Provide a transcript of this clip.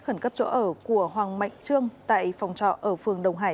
khẩn cấp chỗ ở của hoàng mạnh trương tại phòng trọ ở phường đồng hải